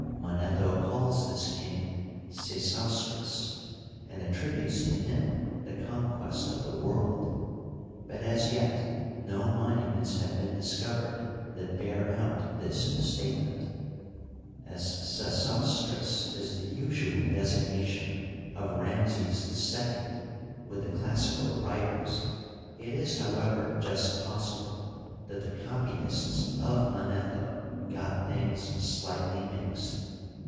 Manetho calls this king Sesostris, and attributes to him the conquest of the world ; but as yet no monuments have been discovered that bear out this statement. As Sesos tris is the usual designation of Ramses II with the Classi cal writers, it is, however, just possible that the copyists of Manetho got things slightly mixed.